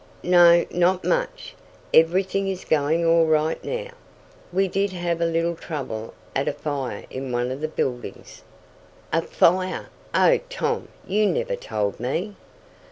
"No, not much. Everything is going all right now. We did have a little trouble at a fire in one of my buildings " "A fire! Oh, Tom! You never told me!"